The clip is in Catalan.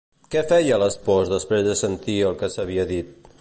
Què feia l'espòs després de sentir el que s'havia dit?